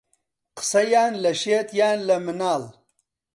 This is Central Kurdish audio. قسە یان لە شێت یان لە مناڵ